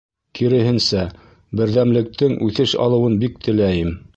Киреһенсә, берҙәмлектең үҫеш алыуын бик теләйем.